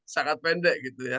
sangat pendek gitu ya